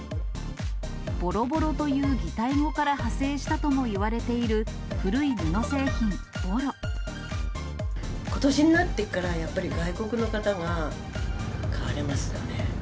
ボロボロという擬態語から派生したとも言われている古い布製品、ことしになってから、やっぱり外国の方が買われますね。